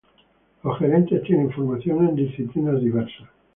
Los gerentes tienen formaciones en disciplinas diversas.